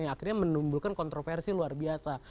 yang akhirnya menimbulkan kontroversi luar biasa